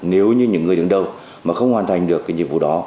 nếu như những người đứng đầu mà không hoàn thành được cái nhiệm vụ đó